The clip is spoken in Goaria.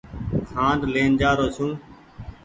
کآنڊ لين جآرو ڇون۔